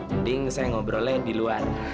mending saya ngobrolnya di luar